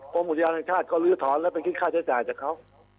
กรมมุตยันต์แหลกชาติก็ลื้อถอนก็ไปคิดชาติหาจ่าจากเขา